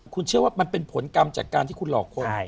คุณเชื่อว่ามันเป็นผลกรรมจากการที่คุณหลอกคน